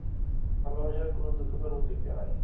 ভালবাসায় কোন দুঃখকর প্রতিক্রিয়া নাই।